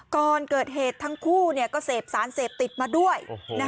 ก่อนเกิดเหตุทั้งคู่ก็เสพสารเสพติดมาด้วย